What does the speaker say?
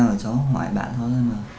rồi cháu hỏi bạn thôi